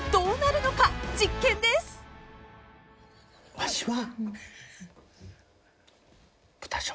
わしは。